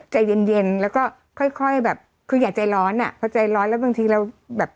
ใจเย็นเย็นแล้วก็ค่อยค่อยแบบคืออย่าใจร้อนอ่ะพอใจร้อนแล้วบางทีเราแบบ